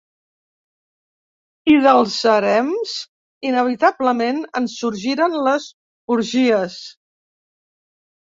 I dels harems, inevitablement, en sorgiren les orgies.